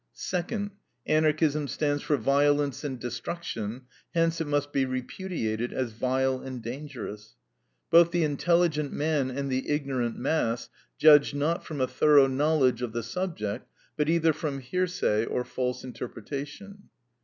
Second, Anarchism stands for violence and destruction, hence it must be repudiated as vile and dangerous. Both the intelligent man and the ignorant mass judge not from a thorough knowledge of the subject, but either from hearsay or false interpretation.